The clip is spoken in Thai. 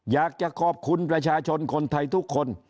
อยากจะขอบคุณประชาชนคนไทยทุกคน